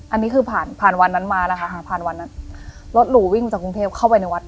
อันนี้คือผ่านผ่านวันนั้นมานะคะผ่านวันนั้นรถหรูวิ่งจากกรุงเทพเข้าไปในวัด